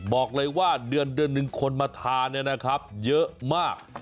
บอกเลยว่าเดือนหนึ่งคนมาทานเนี่ยนะครับเยอะมาก